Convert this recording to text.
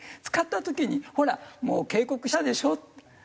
使った時に「ほらもう警告したでしょ」